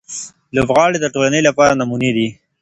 لوبغاړي د ټولنې لپاره نمونې دي.